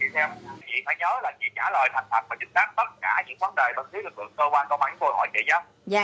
chị phải nhớ là chị trả lời thật thật và chính xác tất cả những vấn đề bất thiết lực lượng cơ quan cơ bản của hội chị nhá